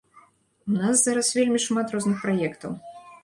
У нас зараз вельмі шмат розных праектаў.